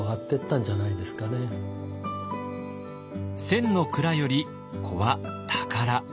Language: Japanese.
千の蔵より子は宝。